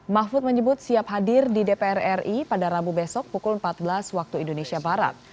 mahfud menyebut siap hadir di dpr ri pada rabu besok pukul empat belas waktu indonesia barat